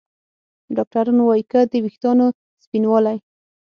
ډاکتران وايي که د ویښتانو سپینوالی